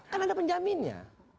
kan ada penjaminnya